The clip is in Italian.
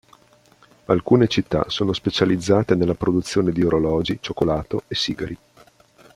Alcune città sono specializzate nella produzione di orologi, cioccolato e sigari.